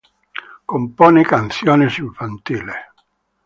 Compone canciones infantiles.